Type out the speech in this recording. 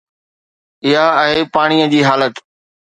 اها آهي پاڻي جي حالت.